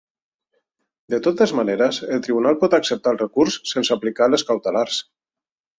De totes maneres, el tribunal pot acceptar el recurs sense aplicar les cautelars.